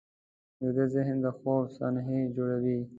ویده ذهن د خوب صحنې جوړوي